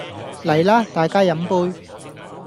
嚟啦大家飲杯